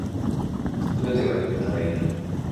全てが夢ならいいのに